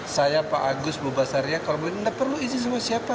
saya pak agus mubassarya kalau mau enggak perlu izin sama siapa